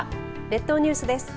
列島ニュースです。